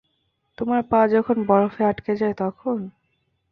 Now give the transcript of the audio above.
তোমার পা যখন বরফে আঁটকে যায়, তখন?